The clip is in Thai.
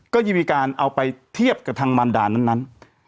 ก็จะมีการเอาไปเทียบกับทางมันดานั้น